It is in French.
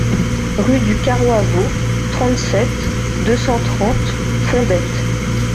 Rue du Carroi Vau, trente-sept, deux cent trente Fondettes